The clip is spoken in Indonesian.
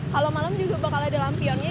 kalau malam juga bakal ada lampionnya